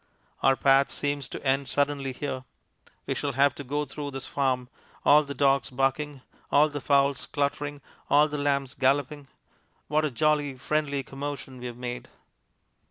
Our path seems to end suddenly here. We shall have to go through this farm. All the dogs barking, all the fowls cluttering, all the lambs galloping what a jolly, friendly commotion we've made!